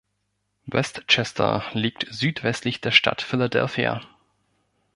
West Chester liegt südwestlich der Stadt Philadelphia.